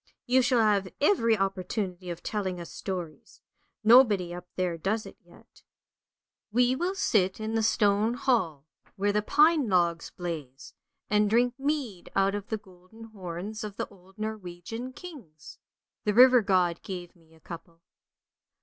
You shall have every opportunity of telling us stories; nobody up there does it yet. We will sit in the Stone Hall, 58 ANDERSEN'S FAIRY TALES whore the pine logs blaze, and drink mead out of the golden horns of the old Norwegian kings. The river god gave me a couple.